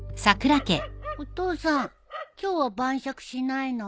お父さん今日は晩酌しないの？